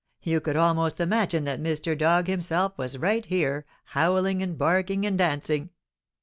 You could almost imagine that Mr. Dog himself was right here, howling and barking and dancing.'